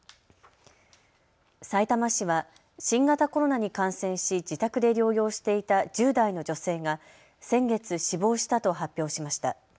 さいたま市は新型コロナに感染し自宅で療養していた１０代の女性が先月、死亡したと発表しました。